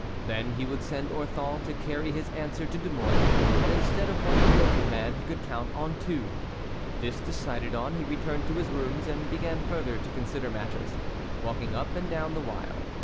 Then he would send Orthon to carry his answer to De Mouy, and instead of one devoted man he could count on two. This decided on, he returned to his rooms and began further to consider matters, walking up and down the while.